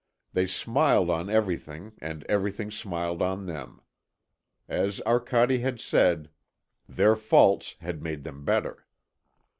They smiled on everything and everything smiled on them. As Arcade had said, their faults had made them better.